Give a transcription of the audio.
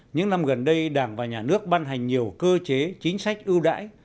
những năm gần đây đảng và nhà nước ban hành nhiều cơ chế chính sách ưu đãi